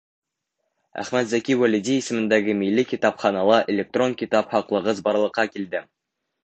Әхмәтзәки Вәлиди исемендәге Милли китапханала электрон китап һаҡлағыс барлыҡҡа килде.